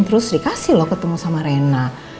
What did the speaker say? terus dikasih loh ketemu sama rena